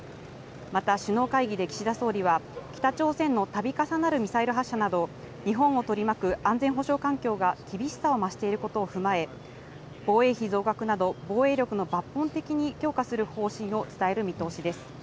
また、首脳会議で岸田総理は、北朝鮮のたび重なるミサイル発射など、日本を取り巻く安全保障環境が厳しさを増していることを踏まえ、防衛費増額など、防衛力を抜本的に強化する方針を伝える見通しです。